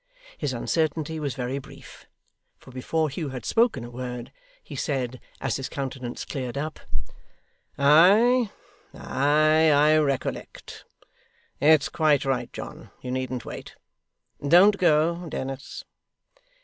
His uncertainty was very brief, for before Hugh had spoken a word, he said, as his countenance cleared up: 'Ay, ay, I recollect. It's quite right, John, you needn't wait. Don't go, Dennis.